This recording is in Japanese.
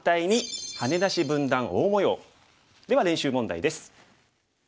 では練習問題です。